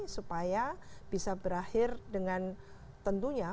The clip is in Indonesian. supaya bisa berakhir dengan tentunya